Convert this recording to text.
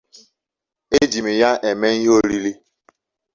Eji m ya eme ihe oriri